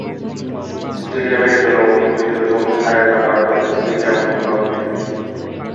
স্টেডিয়ামের জন্য অধিকৃত জমি আয়তাকার তবে স্টেডিয়াম ডিম্বাকৃতির।